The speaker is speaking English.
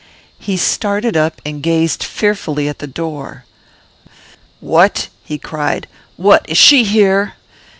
He started up, and gazed fearfully at the door. "What!" he cried. "What! Is she here?